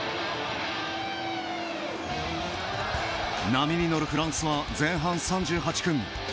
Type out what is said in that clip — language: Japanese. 波に乗るフランスは前半３８分。